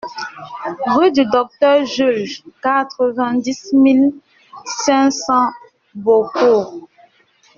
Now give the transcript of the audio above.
Rue du Docteur Julg, quatre-vingt-dix mille cinq cents Beaucourt